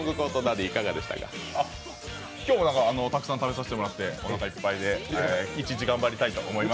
今日もたくさん食べさせてもらっておなかいっぱいで一日頑張りたいと思います。